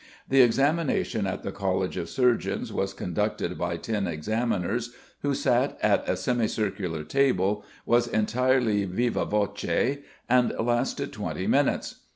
The examination at the College of Surgeons was conducted by ten examiners, who sat at a semicircular table, was entirely vivâ voce, and lasted twenty minutes.